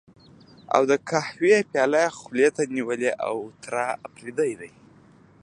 او د قهوې پياله یې خولې ته نیولې، اوتر اپرېدی دی.